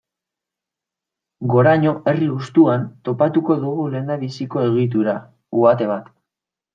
Goraño herri hustuan topatuko dugu lehenbiziko egitura, uhate bat.